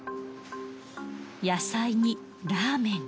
野菜にラーメン。